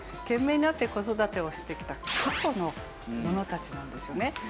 懸命になって子育てをしてきた過去のものたちなんですよね。